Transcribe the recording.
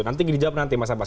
nanti dijawab nanti mas abbas